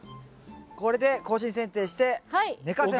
これで更新剪定して寝かせます。